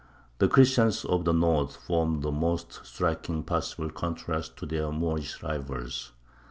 The Christians of the north formed the most striking possible contrast to their Moorish rivals.